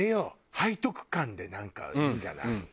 背徳感でなんかいいんじゃない？